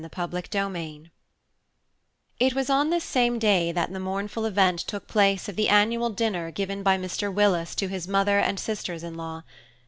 CHAPTER IV IT was on this same day that the mournful event took place of the annual dinner given by Mr. Willis to his mother and sisters in law.